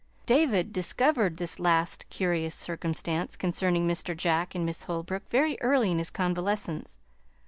David discovered this last curious circumstance concerning Mr. Jack and Miss Holbrook very early in his convalescence.